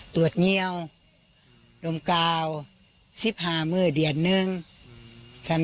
ตัวเงียวโนะคะวสิบห้ามือเดียร์หนึ่งท่านก็คิดว่าเขาเข้าไปไปกับกานห้ายพวก